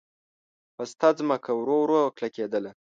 پسته ځمکه ورو ورو کلکېدله.